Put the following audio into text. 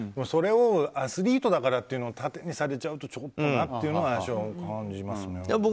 それをアスリートだからというのを盾にされちゃうとちょっとなっていうのは私は感じますね。